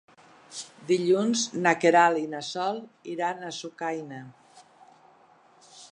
Dilluns na Queralt i na Sol iran a Sucaina.